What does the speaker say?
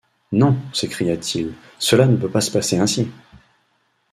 Non! s’écria-t-il, cela ne peut pas se passer ainsi !...